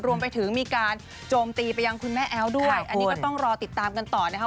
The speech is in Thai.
รวมไปถึงมีการโจมตีไปยังคุณแม่แอ๊วด้วยอันนี้ก็ต้องรอติดตามกันต่อนะคะ